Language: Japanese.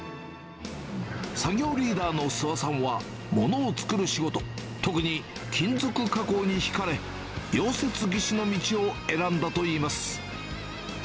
作業リーダーの諏訪さんは、物を作る仕事、特に金属加工に引かれ、溶接技士の道を選んだといいます。